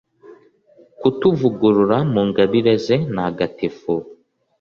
kutuvugurura, mu ngabire ze ntagatifu